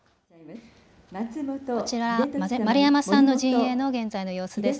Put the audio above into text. こちら、丸山さんの陣営の現在の様子です。